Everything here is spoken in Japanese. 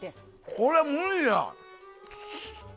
これ、無理や。